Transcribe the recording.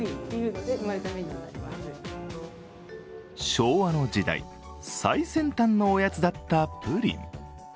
昭和の時代、最先端のおやつだったプリン。